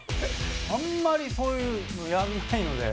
あんまりそういうのやんないので。